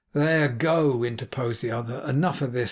'There. Go!' interposed the other. 'Enough of this.